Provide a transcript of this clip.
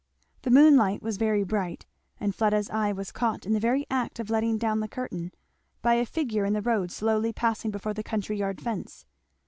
The moonlight was very bright, and Fleda's eye was caught in the very act of letting down the curtain, by a figure in the road slowly passing before the courtyard fence.